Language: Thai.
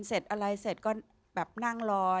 เสร็จอะไรเสร็จก็ลืมนั้งลอย